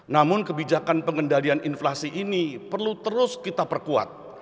namun kebijakan pengendalian inflasi ini perlu terus kita perkuat